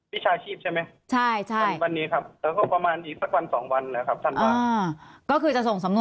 วิชาชีพใช่ไหม